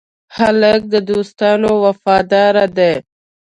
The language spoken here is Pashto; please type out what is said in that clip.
هلک د دوستانو وفادار دی.